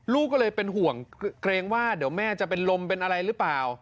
ลูกก็เลยเป็นห่วงเกรงว่าเดี๋ยวแม่จะเป็นลมเป็นอะไรหรือเปล่า